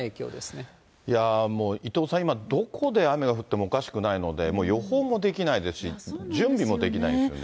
もう、伊藤さん、今、どこで雨が降ってもおかしくないので、もう予報もできないですし、準備もできないですよね。